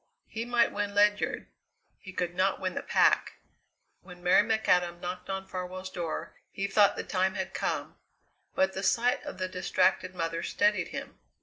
He might win Ledyard; he could not win the pack! When Mary McAdam knocked on Farwell's door he thought the time had come, but the sight of the distracted mother steadied him.